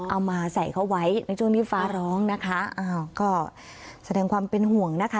เอามาใส่เขาไว้ในช่วงนี้ฟ้าร้องนะคะอ้าวก็แสดงความเป็นห่วงนะคะ